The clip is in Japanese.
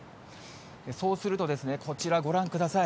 そうすると、こちらご覧ください。